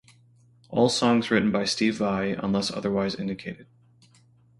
All songs written by Steve Vai unless otherwise indicated.